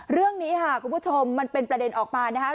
เรื่องนี้ค่ะคุณผู้ชมมันเป็นประเด็นออกมานะครับ